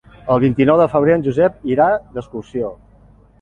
El vint-i-nou de febrer en Josep irà d'excursió.